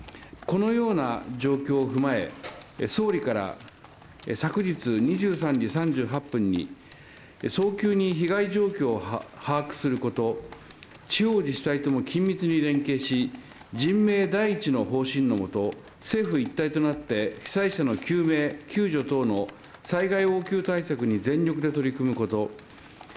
このような状況を踏まえ総理から、昨日２３時３８分に、早急に被害状況を把握すること、地方自治体とも緊密に連携し、人命第１の方針のもと、政府一体となって被災者の救命救助等の災害応急対策に全力で取り組むこと。